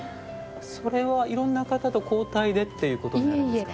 それはいろんな方と交代でっていうことになるんですか。